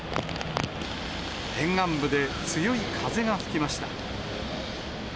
沿岸部で強い風が吹きました。